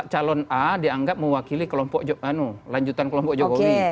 calon a dianggap mewakili lanjutan kelompok jokowi